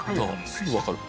すぐわかる。